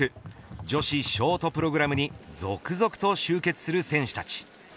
女子ショートプログラムに続々と集結する選手たち。